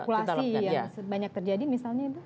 spekulasi yang banyak terjadi misalnya